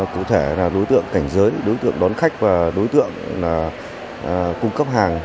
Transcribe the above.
cụ thể là đối tượng cảnh giới đối tượng đón khách và đối tượng cung cấp hàng